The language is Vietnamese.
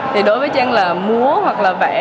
thì đối với trang là múa hoặc là vẽ